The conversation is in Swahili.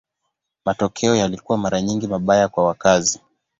Matokeo yalikuwa mara nyingi mabaya kwa wakazi.